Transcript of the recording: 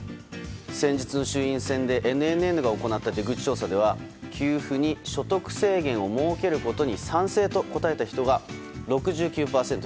先日の衆院選でＮＮＮが行った出口調査では給付に所得制限を設けることに賛成と答えた人が６９％。